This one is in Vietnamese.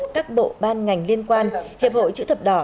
các bộ ban ngành liên quan hiệp hội chữ thập đỏ